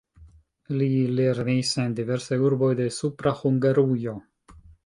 Li lernis en diversaj urboj de Supra Hungarujo.